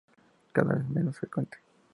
Cada vez es menos frecuente.